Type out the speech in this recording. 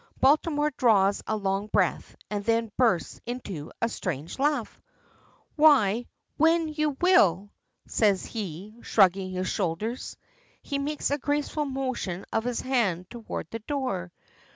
Baltimore draws a long breath, and then bursts into a strange laugh. "Why, when you will," says he, shrugging his shoulders. He makes a graceful motion of his hand toward the door.